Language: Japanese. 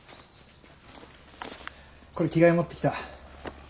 これ着替え持ってきた。